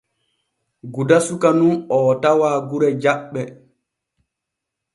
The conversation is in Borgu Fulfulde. Guda suka nun oo tawa gure Jaɓɓe.